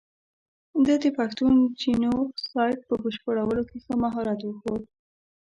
ده د پښتون جینو سایډ په بشپړولو کې ښه مهارت وښود.